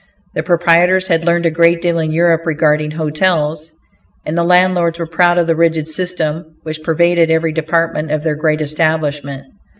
The proprietors had learned a good deal in Europe regarding hotels, and the landlords were proud of the rigid system which pervaded every department of their great establishment.